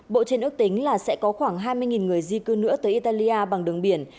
bộ trên ước tính là sẽ có khoảng hai mươi người di cư nữa tới italia bằng đường biển